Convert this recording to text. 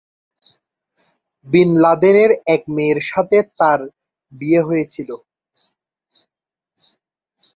বিন লাদেনের এক মেয়ের সাথে তার বিয়ে হয়েছিল।